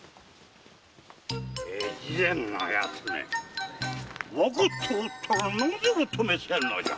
越前の奴めわかっておったのならなぜお止めせんのじゃ！